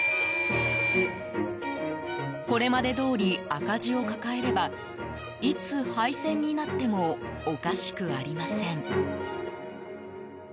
これまでどおり赤字を抱えればいつ廃線になってもおかしくありません。